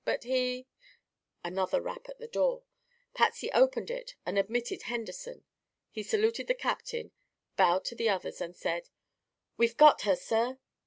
But he " Another rap at the door. Patsy opened it and admitted Henderson. He saluted the captain, bowed to the others and said: "We've got her, sir."